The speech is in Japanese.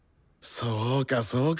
そうかそうか。